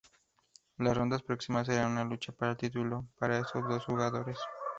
Las rondas próximas eran una lucha para el título para estos dos jugadores.